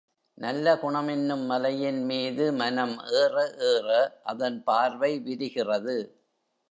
நல்ல குணம் என்னும் மலையின் மீது மனம் ஏற ஏற அதன் பார்வை விரிகிறது.